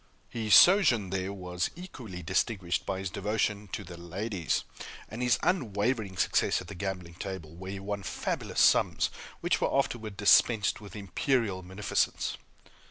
His sojourn there was equally distinguished by his devotion to the ladies, and his unwavering success at the gaming table, where he won fabulous sums, which were afterward dispensed with imperial munificence.